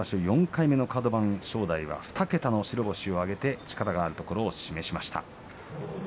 ４回目のカド番、２桁の白星を挙げて力のあるところを見せました。